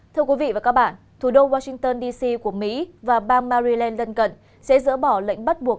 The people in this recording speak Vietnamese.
thưa quý vị và các bạn thủ đô washington dc của mỹ và bang maryland lân cận sẽ dỡ bỏ lệnh bắt buộc